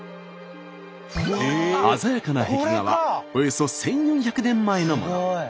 鮮やかな壁画はおよそ１，４００年前のもの。